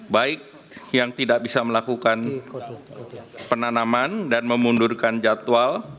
baik yang tidak bisa melakukan penanaman dan memundurkan jadwal